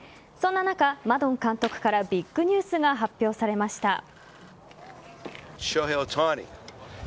そんな中、マドン監督からビッグニュースが発表されました。